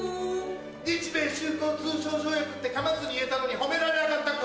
日米修好通商条約って噛まずに言えたのに褒められなかった刻。